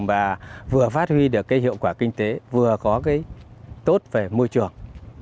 và vừa phát huy được hiệu quả kinh tế vừa có tốt về môi trường